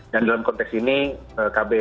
dan dalam konteks ini kbri